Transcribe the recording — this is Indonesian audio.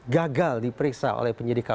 gagal diperiksa oleh penyedia